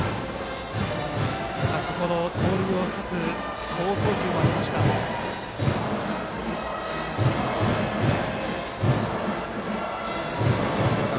先程、盗塁を刺す好送球もありました平田。